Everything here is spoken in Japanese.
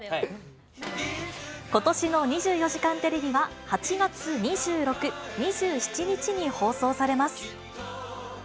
ことしの２４時間テレビは８月２６、２７日に放送されます。